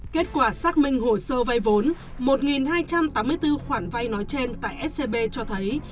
kết quả xác minh hồ sơ vay vốn một hai trăm tám mươi bốn khoản vay nói trên tại scb cho thấy